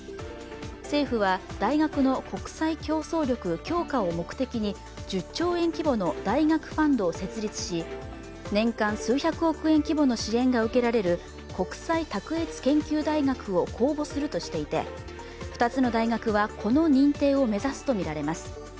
政府は大学の国際競争力強化を目的に１０兆円規模の大学ファンドを設立し、年間数百億円規模の支援が受けられる国際卓越研究大学を公募するとしていて２つの大学はこの認定を目指すとみられます。